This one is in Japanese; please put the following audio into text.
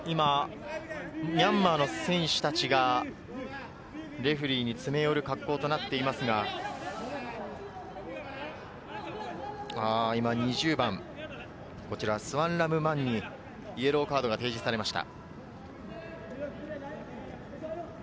今ミャンマーの選手たちが、レフェリーに詰め寄る格好になっていますが、２０番・スアン・ラム・マンにイエローカードが提示されました。